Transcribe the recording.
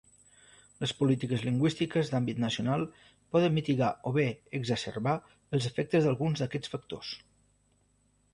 Les polítiques lingüístiques d'àmbit nacional poden mitigar o bé exacerbar els efectes d'alguns d'aquests factors.